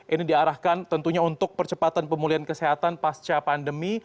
ini diarahkan tentunya untuk percepatan pemulihan kesehatan pasca pandemi